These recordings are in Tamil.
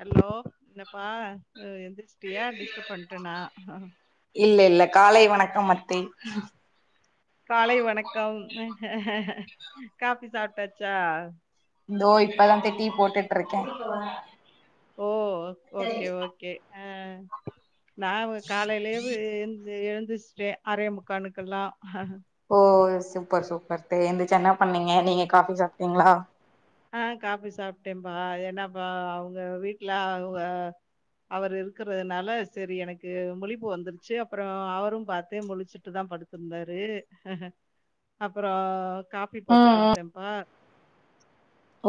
ஹலோ என்னப்பா அ எந்திருச்சிட்டியா டிஸ்டர்ப் பண்ட்டனா அ இல்ல இல்ல காலை வணக்கம் அத்தை காலை வணக்கம் காஃபி சாப்ட்டாச்சா இந்தோ இப்பதா அத்த டீ போட்டுட்ருக்கே ஓ ஓக் ஓகே ஓகே ஆ ம் நாவு காலைலேவு எந் து எழுந்துஷ்ட்டே ஆரே முக்காலுக்குல்லா ஓ சூப்பர் சூப்பர்த்தே எந்துச்சி என்ன பண்ணீங்க நீங்க காபி சாப்ட்டீங்களா ஆ காப்பி சாப்ட்டேன்பா என்னப்பா அவுங்க வீட்ல அவுங்க அவரு இருக்குறனால செரி எனக்கு முழிப்பு வந்துருச்சி அப்றோ அவரு பாத்தே முழிச்சிட்டுதா படுத்துருந்தாரு அப்றோ காபி போட்டு ம் ம் குடுத்தேம்ப்பா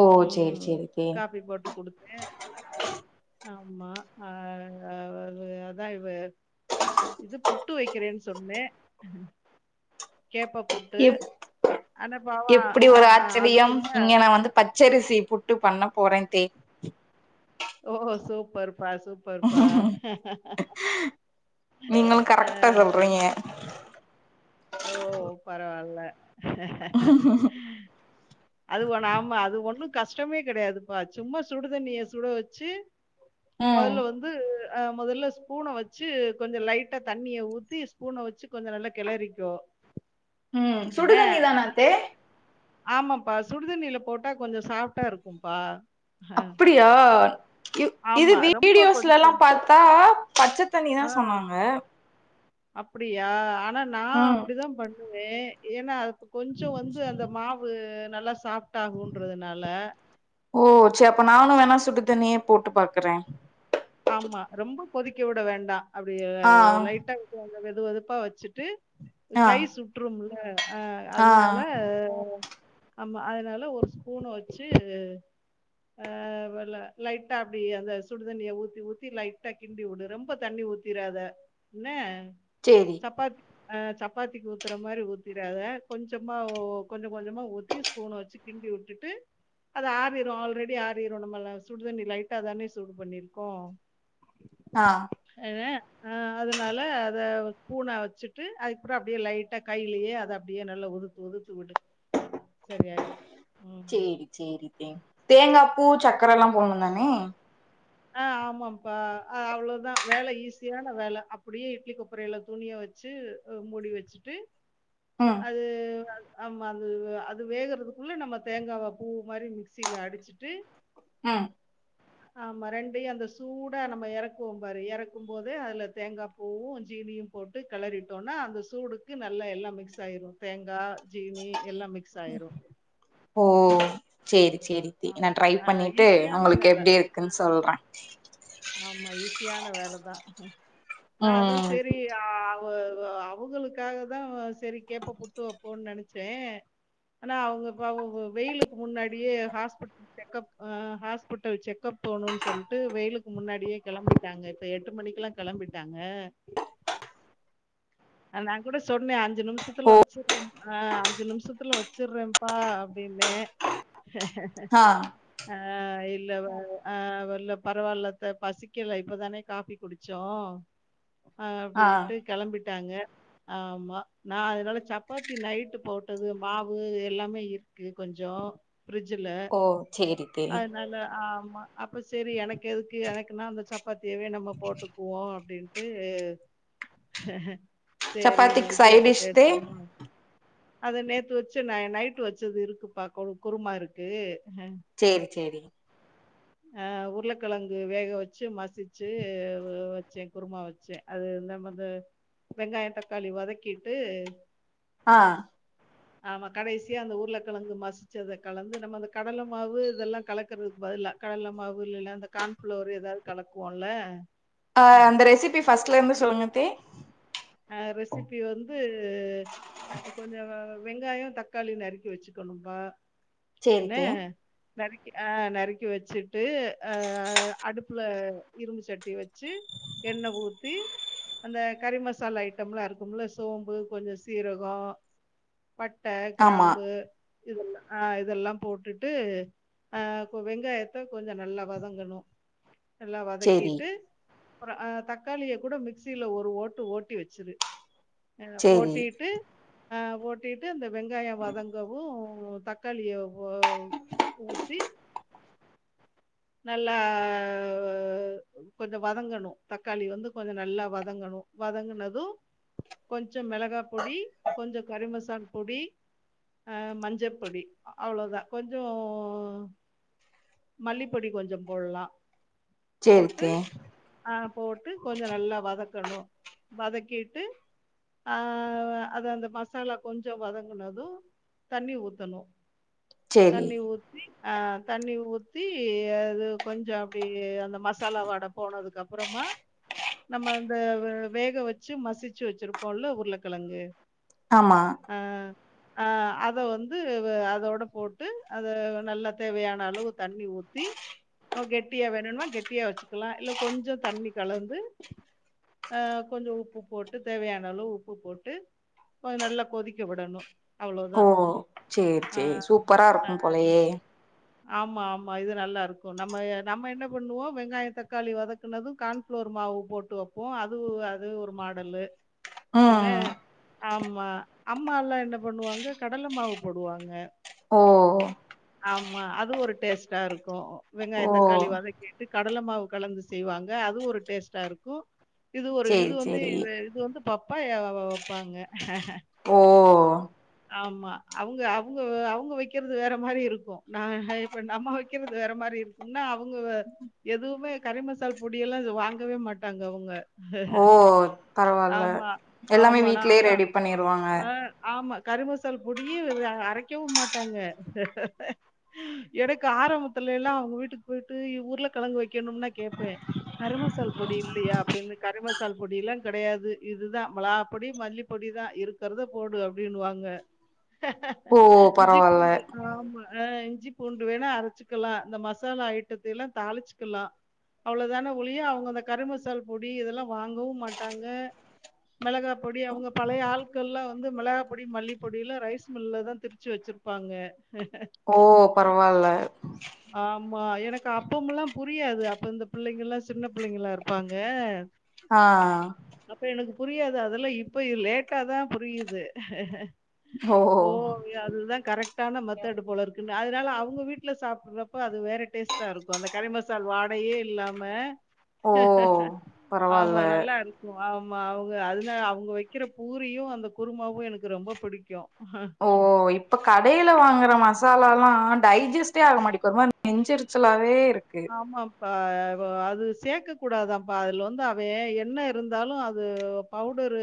ஓ சேரி உம் சேரி தே காபி போட்டு குடுத்தே ஆமா அ அ அதா இவெ இது புட்டு வெக்கிறேன்னு சொன்னே கேப்ப புட்டு எப் ஆன பாவா எப்டி ஆ ஒரு ஆச்சரியம் அதுக்குள்ள இங்க நா வந்து பச்சரிசி புட்டு பண்ண போறேன்தே ஓ சூப்பர் பா சூப்பர்ப்பா நீங்களு அ கரெக்டா சொல்றீங்க ஓ பரவால்ல அது ஒண் ஆமா அது ஒண்ணு கஷ்டமே கெடையாதுப்பா சும்மா சுடுதண்ணிய சுட வெச்சி ம் மொதல்ல வந்து அ மொதல்ல ஸ்பூன வச்சி கொஞ்சொ லைட்டா தண்ணிய ஊத்தி ஸ்பூன வச்சி கொஞ்சொ நல்லா கெளறி கோ ம் சுடுதண்ணிதானா அத்தே ஆமாப்பா சுடுதண்ணில போட்டா கொஞ்சொ சாஃப்டா இருக்கும்ப்பா அஹ், அப்டியா இவ் இது ஆமா. ரொம்ப வீடியோஸ்லலா கொதிக்கும். பாத்தா பச்சத்தண்ணிதா சொன்னாங்க அப்டியா ஆ னா நா ம் அப்டி தா பண் வே ஏனா கொஞ்சோ வந்து அந்த மாவு நல்லா சாப் டாகுன்றதுனால ஓ சேரி அப்ப நானு வேணா சுடுத் தண்ணியே போட்டு பாக்கறே ஆமா ரொம்போ கொதிக்க விட வேண்டா அப்டி எ வவ் ஆ லைட்டா [inaudible] த வெது வெதுப்பா வச்சுட் டு ஆ கை சுட்றும் அ ஆ அதுனால ஆமா அத னால ஒரு ஸ்பூன வச் ச்சு ஆ வ ல லைட்டா அப்டி அந்த சுடுத்தண்ணிய ஊ த்தி ஊத்தி லைட்டா கிண்டி உடு ரொம்ப தண்ணி ஊத்திராத னா சேரி சப்பா ஆ சப்பாத்திக் ஊத்தற மாரி ஊத்திடாத கொஞ்சமா ஒ கொஞ்ச கொஞ்சமா ஊத்தி ஸ்பூன வச்சு கிண்டி உட்டுட்டு அது ஆறிரோ ஆல்ரெடி ஆறிரோ நம்மள சுடு தண்ணி லைட்டா தானே சூடு பண்ணிருக் கோ ஆ அதா ஆ அதுனால அத பூன வச்சுட்டு அதுக்பற அப்டியே லைட்டா கைலியே அத அப்டியே நல்லா உதுத் உதுத் விடு சரியா சேரி சேரி டேங்க் தேங்கா பூ சக்கரலா போட்டுணு தானே ஆ ஆமாப்பா ஆ அவ்ளோதா வேல ஈஸியான வேல அப்டியே இட்லி கொப்பரைல துணிய வச்சு மூடி வச்சுட்டு ம் அது [inaudible] ஆமா அது அது வேகுறதுக்குள்ள நம்ம தேங்காவ பூ மாரி மிக்சில அடிச்சிட்டு உம் ஆ மரண்டை அந்த சூடா நம்ம எறக்குவோ பாரு எறக்கும் போது அதுல தேங்காப்பூவு ஜீனியோ போட்டு கெளறிட்டோன்னா அந்த சூடுக்கு நல்லா எல்லா மிக்ஸ் ஆயிரோ தேங்கா ஜீனி எல்லா மிக்ஸ் ஆயிரோ ஓ செரி அ ஆ ஈஸியான வேல எப்டி அ இருக்குன் சொல்றே ஆமா ஈஸியான வேலதா நான் அதா ம் செரி ஆ பஹ் அஹ் அவுங்களுக்காக தான் சரி கேப்போ புட்டு வைப்போன்னு நெனச்சேன் ஆனா அவுங்க பாவம் வெயிலுக்கு முன்னாடியே ஹாஸ் செக்கப் அஹ் ஹாஸ்பிட்டல் செக்கப் போனோன்னு சொல்ட்டு வெயிலுக்கு முன்னாடியே கெளம்பிட்டாங்க இப்ப எட்டு மணிக்குல்லாம் கெளம்பிட்டாங்க நான் கூட சொன்னே அஞ்சு நிமிஷத்துல ஓ வச்சிர்றேன் ஆஹ் அஞ்சு நிமிஷத்துல வச்சுட்றேன்பா அப்டின்னே ஆ ஆ இப் இல்ல ஆஹ் வெல்ல பரவாயில்லத்த பசிக்கல இப்பதானே காஃபி குடிச்சோம் அஹ் ஆ அப்டின்ட்டு கெளம்பிட் ட்டாங்க ஆமா நா அதனால சப்பாத்தி நைட்டு போட்டது மாவு எல்லாமே இருக்கு கொஞ்சோம் ஃபிரிட்ஜில ஓ சேரி [unintelligible] த்தே ஆமா அப்ப சரி எனக்கு எதுக்கு எனக்குன்னா அந்த சப்பாத்தியவே நம்ப போட்டுக்குவோ அப்டின்னு [unintelligible] செரி இவ சப்பாத்திக் சைட் வித்யாட்ட டிஷ் தே பேசணுமா அது நேத்து வச்சு ந நைட்டு வச்சது இருக்குப்பா கொ குருமா இருக்கு செரி செரி அஹ் உருளக்கெழங்கு வேக வச்சு மசிச்சு வச்சே குர்மா வச்சேன் அது இந்தமது வெங்காய தக்காளி வதக்கிட்டு ஆஹ் ஆமா கடைசியா அந்த உருளக்கெழங்கு மசிச்சத கலந்து நம்ம அந்த கடல மாவு இதெல்லா கலக்குறதுக்கு பதிலா கடல மாவு இல்லல்ல அந்த கான்ஃப்ளவர் ஏதாவ்து கலக்குவோல்ல அஹ் அந்த ரெசிபி ஃபர்ஸ்ட்லெந்து சொல்லுங்க தே ஆஹ் ரெசிபி வந்து கொஞ்சோ வெங்காயொ தக்காளி நறுக்கி வச்சுக்கணும்பா சேரி [unintelligible] தே நறுக்கி ஆஹ் நறுக்கி வச்சுட்டு ஆஹ் அடுப்புல இரும்பு சட்டி வச்சு எண்ண ஊத்தி அந்த கறிம சாலா ஐட்டம்லா இருக்கும்ல சோம்பு கொஞ்சோ சீரகோ பட்ட ஆமா க்ராம்பு இதெல்லா ஆஹ் இதெல்லா போட்டுட்டு அஹ் வெங்காயத்த கொஞ்சோ நல்லா வதங்கணு எல்லா சேரி வதக்கிட்டு அப்றொ ஆஹ் தக்காளிய கூட மிக்சில ஒரு ஓட்டு ஓட் டி வச்சுரு அ சேரி ஓட்டிட்டு ஆ ஓட்டிட்டு இந்த வெங்காய வதங்கவு ஓ தக்காளியோ ஓ ஊத்தி நல்லா கொஞ்ச வதங்கணும் தக்காளி வந்து கொஞ்ச நல்லா வதங்கணும் வதங்கினதும் கொஞ்ச கொஞ்ச மிளகா பொடி கொஞ்ச கறி மசால் பொடி மஞ்சள் பொடி அவ்ளதான் கொஞ்ச மல்லிப் பொடி கொஞ்ச போடலாம் சேரி போட்டு தே ஆங் போட்டு கொஞ்ச நல்லா வதக் கணு வதக்கிட்டு ஆங் அதை அந்த மசாலா கொஞ்ச வதங்கினதும் தண்ணி ஊத்தணு சேரி தண்ணி ஊத்தி ஆங் தண்ணி ஊத்தி அது கொஞ்ச அப்டி அந்த மசாலா வாடை போனதுக்கு அப்புறமா நம்ம அந்த வேக வச்சு மசிச்சு வச்சிருப்போம்ல உருளைக்கிழங்கு ஆமா ஆஹ் ஆஹ் அத வந்து அதோட போட்டு அத நல்லா தேவையான அளவு தண்ணி ஊத் ஊத்தி கெட்டியா வேணும்னா கெட்டியா வச்சுக்கலாம் இல்ல கொஞ்சம் தண்ணி கலந்து ஆஹ் கொஞ்ச உப்பு போட்டு தேவையான அளவு உப்பு போட்டு கொஞ்ச நல்லா கொதிக்க விடணு அவ்ளோதா ஓ சேரி ஆ சேரி சூப்பரா ஆ இருக்கும் போலயே ஆமா ஆமா இது நல்லா இருக்கு நம்ம நம்ம என்ன பண்ணுவோம் வெங்காய தக்காளி வதக்குனது கான்ஃப்ளார் மாவு போட்டு வைப்போம் அது அது ஒரு மாடல்லு ம் ஆமா அம்மால்லா என்ன பண்ணுவாங்க கடலை மாவு போடுவாங்க ஓ ஆமா அது ஒரு டேஸ்டா இருக்கும் வெங்காய ஓ தக்காளி வதகிட்டு கடலை மாவு கலந்து செய்வாங்க அது ஒரு டேஸ்டா இருக்கு இது ஒரு சேரி இது வந்து சேரி இது வந்து பப் [unintelligible] வைப்பாங்க ஓ ஆமா அவங்க அவங்க அவங்க வைக்கிறது வேற மாதிரி இருக்கு நான் இப்ப நம்ம வைக்கிறது வேற மாதிரி இருக்கும்னா அவங்க எதுவுமே கறி மசால் பொடியல்லாம் வாங்கவே மாட்டாங்க அவங்க ஓ பரவால்ல ஆமா எல்லாமே ஆமா. நாம வீட்லயே ரெடி பண்ணிருவாங்க ஆமா. கறி மசால் பொடிய அரைக்கவும் மாட்டாங்க எனக்கு ஆரம்பத்துல எல்லாம் அவங்க வீட்டுக்கு போயிட்டு உருல கிழங்கு வைக் வைக்கணும்னா கேட்பேன் கறிமசால் பொடி இல்லையா அப்படின்னு கறி மசால் பொடிலாம் கிடையாது இதுதான் மிளகா பொடி மல்லி பொடி தான் இருக்கிறத போடு அப்படினுவாங்க உங்க ஓ இஞ்சி பரவால்ல பூண்டு ஆமா இஞ்சி பூண்டு வேணா அரைச்சிக்கலாம் அந்த மசாலா ஐட்டத்த எல்லாம் தாளிச்சிக்கலாம் அவ்வளவுதானே ஒழிய அவங்க அந்த கறிமசால் பொடி இதெல்லாம் வாங்கவும் மாட்டாங்க மிளகா பொடி அவங்க பழைய ஆல்கள்லாம் வந்து மிளகா பொடி ப்படி மல்லிப்பொடிலா ரைஸ் மில்ல தான் திருச்சு வச்சிருப்பாங்க ஓ பரவால்ல ஆமா எனக் அப்பம்லா புரியாது அப்ப இந்த பிள்ளங்க எல்லா சின்ன பிள்ளங்கலா இருப்பாங்க ஆஆ அப்ப எனக்கு புரியாது அதெலா இப்போ லேட்டா தா புரியுது ஹஹஹ ஓ யா அதுதா கரெக்டான மெத்தேடு போலருக்கு அதனால அவுங்க வீட்ல சாப்புறப்ப அது வேற டேஸ்ட்டா இருக்கோ அந்த கறி மசால் வாடயே இல்லாம ஓ ஆமா பரவால்ல நல்லாருக்கூ ஆமா ஆமா அவுங்க அதுனா அவுங்க வெக்கிற பூரியு அந்த குருமாவு வு எனக்கு ரொம்ப புடிக்கோ ஓ இப்ப கடையில வாங்குற மாஸ் மசாலால டைஜஸ்டே ஆக மாட்டிக் ஒர் மாரி நெஞ்சரிச்சலாவே ஆமாபா அது சேக்க கூடாதாப்பா அதுல வந்து அவே என்ன இருந்தாலு அது பவுடரு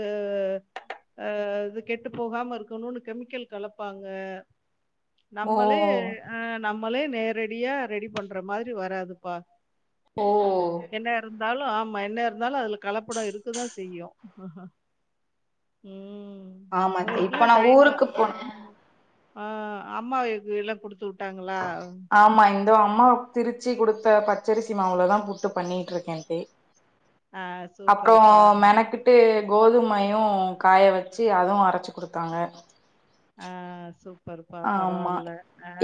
அ இது கெட்டு போகாம இருக்கணுனு கெமிக்கல் கலப்பாங்க ஓ நம்மளே அஆ நம் மலே நேரடியா ரெடி பண்ற மாரி ரி வராதுப்பா ஓ என்னருந் இருந்தாலு ஆமா என்ன இருந்தாலு அதுல கலப்படம் இருக்கதா செய்யு ம் ஆமா இப்ப உங்களுக்குல்லாம் நா டைம் ஊருக்கு ஆ போன ஆ அம்மாக்கு எல்லா குடுத்து விட்டு ஆமா இந்தோ அம்மா திருச் ச்சி குடுத்த பச்சரிசி மாவுளதா புட்டு பண்ணிட்டுருக்கே இப்பயே ஆ அப்றோ சூப்பர்ப்பா மெனக்கிட்டு கோதுமையு காய வெச்சு அதுவு அரச்சி குடுத்தாங்க ஆ சூப் ஆமா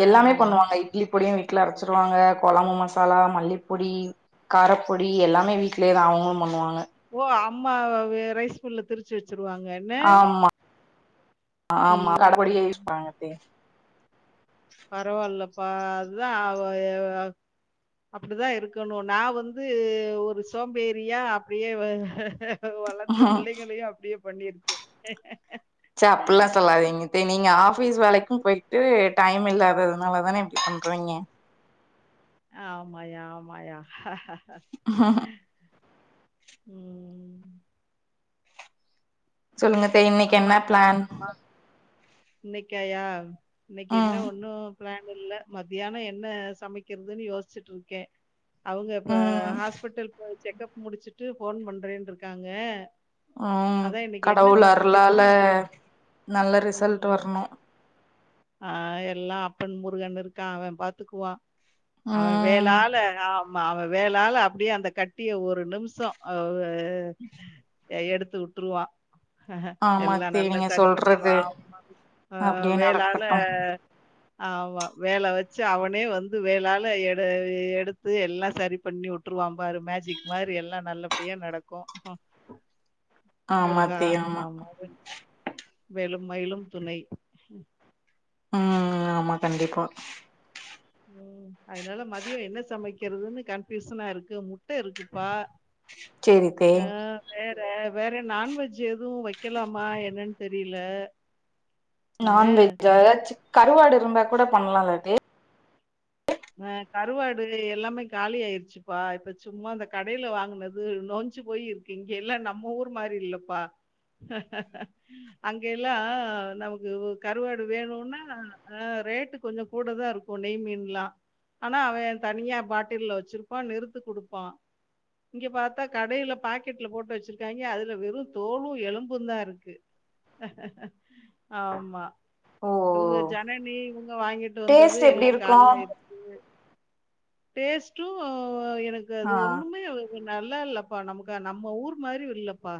எல்லாமே பண்ணுவாங்க இட்லி பொடியு இட் வீட்ல அரச்சிருவாங்க கொழம்பு மசாலா மல்லிப்பொடி காரப்பொடி எல்லாமே வீட்லேதா அவுங்களு பண்ணுவாங்க ஓ அம்மா ரைஸ் மில்ல திருச்சு வச் வெச்சுருவாங்கனெ ஆமா ஆமா கடபோடியே யூஸ்பண் [unintelligible] பரவால்லப்பா அத்தா [unintelligible] அப்டிதா இருக்கணு நா வந்து ஒரு சோம்பேரியா அப்டியே வளந்து பிள்ளைங்களையு அப்டியே பண்ணிருக்கே ச்ச அப்புல்லா சொல்லாதீங்க நீங்க ஆபிஸ் வேலைக்கும் போயிட்டு டைம் இல்லாததுனால தானே இப்டி பண்றீங்க ஆமாயா ஆமாயா ஆஹஹ [unintelligible] உம் சொல்லுங்க தேய் இன்னைக்கு என்ன ஆமாக்கா பிளான் இன்னைக்காயா இன்னைக்கு என்ன ம் ஒண்ணு பிளான் இல்ல மத்தியானம் என்ன சமைக்குறதுன்னு யோசிச்சுட்டு இருக்கேன் அவங்க இப்ப ம் ஹாஸ்பிட்டல் போய் செக்கப் முடிச்சுட்டு ஃபோன் பண்றேன்ருக்காங்க உம் கடவுளாரு ருலால நல்ல ரிசல்ட் வரணும் ஆஹ் எல்லாம் அப்பன் முருகன் இருக்கான் அவன் பாத்துக்குவான் அவன் ம் வேலால ஆ அவன் வேலால அப்படியே அந்த கட்டிய ஒரு நிம்சம் அவு உ எடுத்து உட்டுருவான் ஆமா எல்லா அத்தி நல்லா நீங்க சரி சொல்றது பண்ணிருவான் அஹ் வேலால அஹ் ஆமா வேல வச்சு அவனே வந்து வேலால எட எடுத்து எல்லாம் சரி பண்ணி உட்டுருவான் பாரு மேஜிக் மாரி எல்லாம் நல்லபடியா நடக்கும் ஆமா முருகா அத்தி ஆமா வெ வேலும் மயிலும் துணை ஆஹ் ஆஹ் ஆமா கண்டிப்பா ம். அதனால மதியம் என்ன சமைக்கிறதுன்னு கன்பியூசனா இருக்கு முட்ட இருக்குப்பா சேரி தே ஆஹ் வேற வேற வேற நான்வெஜ் எதுவும் வெக்கலாமா என்னன்னு தெரியல என்ன நான்வெஜ் ஏதச்சி கருவாடு [unintelligible] கூட பண்ணலால்ல தே ஆஹ் கருவாடு எல்லாமே காலி ஆயிருச்சுப்பா இப்ப சும்மா அந்த கடையில வாங்கினது நொஞ்சு போயி இருக்கு இங்க எல்லா நம்ம ஊர் மாரி இல்லப்பா அஹ்ஹஹ் அங்க எல்லா நமக்கு கருவாடு வேணும்னா அஹ் ரேட்டு கொஞ்சம் கூட தான் இருக்கும் நெய் மீன்லா ஆனா அவன் தனியா பாட்டில்ல வச்சிருப்பான் நிறுத்து குடுப்பான் இங்க பாத்தா கடையில பாக்கெட்ல போட்டு வச்சிருக்காங்க அதுல வெறும் தோலும் எலும்பும் தான் இருக்கு அஹ்ஹஹ் ஆமா [unintelligible] ஓ ஜன [unintelligible] வாங்கிட்டு வந்தது டேஸ்ட் எப்டி எல்லா இருக்கு காலியாயிருச் டேஸ்டு எனக்கு அது ஆ ஒண்ணுமே நல்லா இல்லப்பா நமக்கு நம்ம ஊர் மாரி இல்லப்பா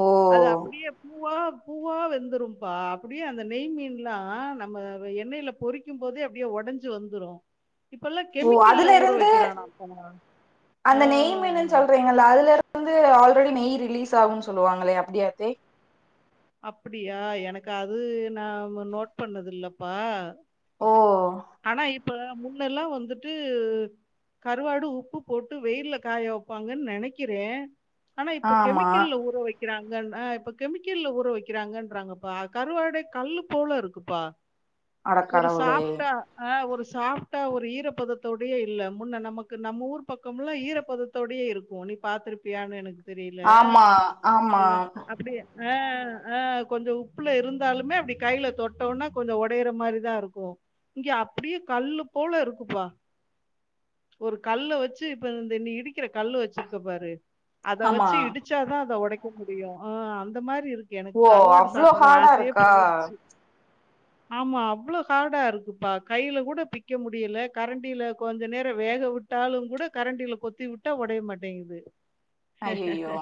ஓ அது அப்டியே பூவா பூவா வெந்துரும்பா அப்டியே அந்த நெய் மீன்ல்லா நம்ம எண்ணெய்ல பொறிக்கும்போதே அப்டியே ஒடஞ்சி வந்துறோ ஓ அதுல இருந்து ஆ. அந்த நெய் மீனுன் சொல்றீங்கல்ல அதுல இருந்து ஆல் ரெடி நெய் ரிலீஸ் ஆகுன் சொல்லுவாங்களே அப்டியாத்தை அப்டியா எனக்கு அது நா நோட் பண்ணது இல்லப்பா ஓ ஆனா இ இப்ப முன்னெல்லா வந்துட்டு கருவாடு உப்பு போட்டு வெயில்ல காய வெப்பாங்கன் நனைக்கிற ஆனா இப்ப ஆமா கெமிக்கல்ல ஊற வெக் கிறாங்கன் இப்ப கெமிக்கல்ல ஊ றோ வெக்கிறாங்கன்றாங்கப்பா கருவாடே கல்லு போல இருக்குப்பா ஒரு அடக்கடவுளே சாஃப்ட்டா ஆ ஒரு சாஃப்டா ஒரு ஈரப்பதத்தோடயே இல்ல முன்ன நமக்கு நம்ம ஊர் பக்கம்லா ஈரப்பதத்தோடியே இருக்கு நீ பாத்துருப்பியானு எனக்கு தெரியல ஆம்மா ஆம்மா ஆ அ கொஞ்சோ உப்புல இருந்தாலுமே அப்டி கைல தொட்டோனா கொஞ்சோ ஒடைற மாரிதா இருக்கோ இங்கே அப்டி கல்லு போல இருக்குப்பா ஒரு கல்லு வச்சு இப்ப இந்த நீ இடிக்கிற கல்லு வச்சிருக்க பாரு அத ஆமா வச்சு இடிச்சாதா அத ஒடைக் முடியு ஆ அந்த மாரி இருக்கு எனக்கு ஓ கருவாடு அவ்ளோ ஹாடா இருக்கா ஆம்மா அவ்ளோ ஹாடா இருக்குப்பா கைல கூட பிக்க முடியல கரண்டில கொஞ்ச நேரோ வேக வுட்டாலுங்கூட கரண்டில கொத்தி வுட்டா ஒடைய மாட்டேங்குது அய்யயோ